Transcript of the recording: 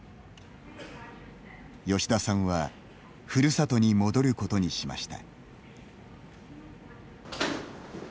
吉田さんはふるさとに戻ることにしました。